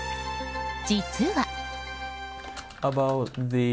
実は。